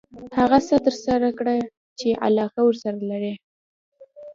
هغه څه ترسره کړه چې علاقه ورسره لري .